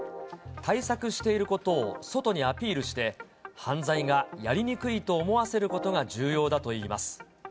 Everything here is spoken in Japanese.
対策していることを外にアピールして、犯罪がやりにくいと思わせることが重要だといいます。